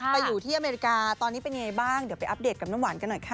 ไปอยู่ที่อเมริกาตอนนี้เป็นยังไงบ้างเดี๋ยวไปอัปเดตกับน้ำหวานกันหน่อยค่ะ